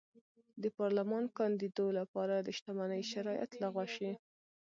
د پارلمان کاندېدو لپاره د شتمنۍ شرایط لغوه شي.